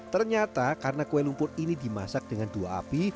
ternyata karena kue lumpur ini dimasak dengan dua api